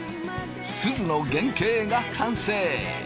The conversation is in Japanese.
すずの原型が完成。